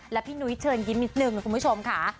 และพี่นุ้ยเชิญยิ้มนิดนึงนะคุณผู้ชมค่ะ